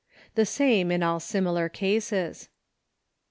The same in all similar cases.